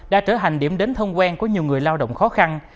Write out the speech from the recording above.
đã trở thành điểm đến thông quen của nhiều người lao động khó khăn